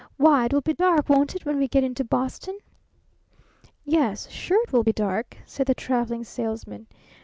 Why, it will be dark, won't it, when we get into Boston?" "Yes, sure it will be dark," said the Traveling Salesman.